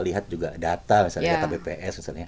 lihat juga data data bps